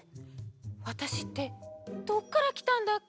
わたしってどっからきたんだっけ？